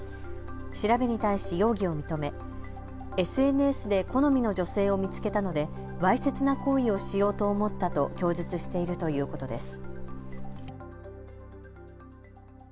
調べに対し容疑を認めＳＮＳで好みの女性を見つけたのでわいせつな行為をしようと思ったと供述しているということです。